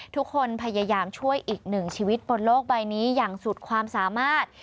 ทุกคนพยายามช่วยอีกหนึ่งชีวิตบนโลกใบนี้อย่างสุดความสามารถ